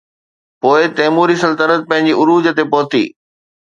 پوءِ تيموري سلطنت پنهنجي عروج تي پهتي.